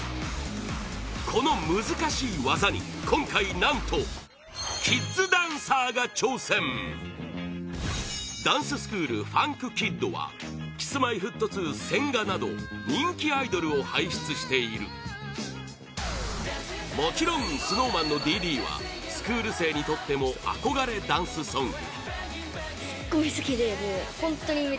この難しい技に、今回何とキッズダンサーが挑戦ダンススクールファンクキッドはＫｉｓ‐Ｍｙ‐Ｆｔ２千賀など人気アイドルを輩出しているもちろん、ＳｎｏｗＭａｎの「Ｄ．Ｄ．」はスクール生にとっても憧れダンスソング